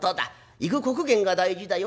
行く刻限が大事だよ。